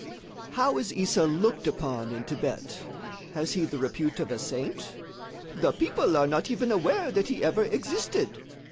"How is Issa looked upon in Thibet? Has he the repute of a saint?" "The people are not even aware that he ever existed.